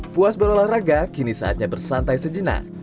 puas berolahraga kini saatnya bersantai sejenak